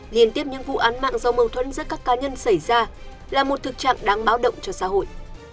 liên tiếp những vụ án mạng do mâu thuẫn giữa các cá nhân xảy ra là một thực trạng đáng báo động cho xã hội